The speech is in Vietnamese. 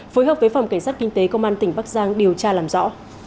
phối hợp với phòng cảnh sát kinh tế công an tỉnh bắc giang điều tra làm rõ